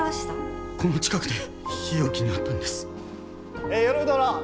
この近くで日置に会ったんです。